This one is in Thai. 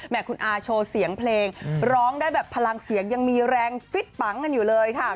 คุณอาโชว์เสียงเพลงร้องได้แบบพลังเสียงยังมีแรงฟิตปังกันอยู่เลยค่ะ